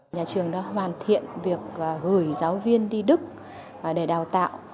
nhà trường đã hoàn thiện việc gửi giáo viên đi đức để đào tạo